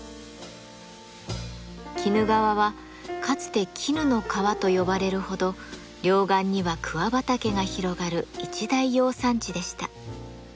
鬼怒川はかつて絹の川と呼ばれるほど両岸には桑畑が広がる一大養蚕地でした。